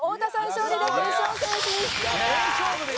勝利で決勝戦進出です！